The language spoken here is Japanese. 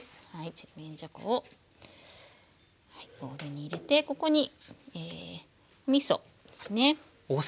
ちりめんじゃこをボウルに入れてここにみそですね。